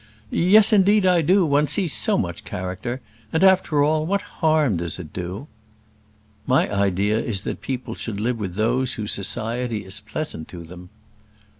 "Yes; indeed I do. One sees so much character. And after all, what harm does it do?" "My idea is that people should live with those whose society is pleasant to them."